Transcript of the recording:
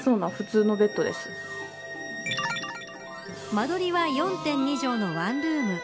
間取りは４．２畳のワンルーム。